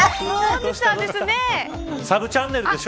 サブチャンネルでしょ。